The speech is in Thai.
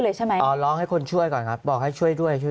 ใช่ไหมอ๋อร้องให้คนช่วยก่อนครับบอกให้ช่วยด้วยช่วย